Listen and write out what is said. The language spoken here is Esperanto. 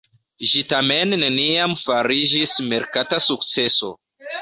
Ĝi tamen neniam fariĝis merkata sukceso.